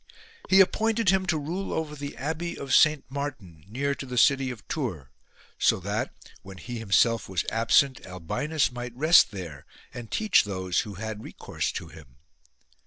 He appointed him to rule over the abbey of Saint Martin, near to the city of Tours : so that, when he himself was absent, Albinus might rest there and 6i CHARLES PRAISES STUDY teach those who had recourse to him.